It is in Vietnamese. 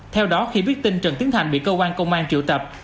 theo đó khi biết tin trần tiến thành bị cơ quan công an triệu tập